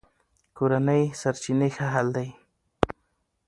کورني سرچینې ښه حل دي.